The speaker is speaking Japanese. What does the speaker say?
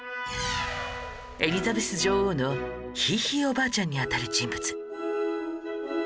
エリザベス女王のひいひいおばあちゃんにあたる人物